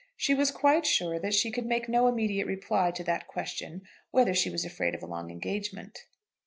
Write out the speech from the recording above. She was quite sure that she could make no immediate reply to that question, whether she was afraid of a long engagement.